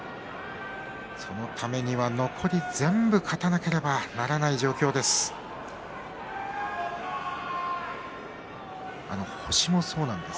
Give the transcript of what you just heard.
そのためには残り全部勝たなければならない状況です。